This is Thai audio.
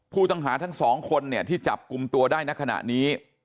ผู้ต้องหาทั้งสองคนเนี่ยที่จับกลุ่มตัวได้ในขณะนี้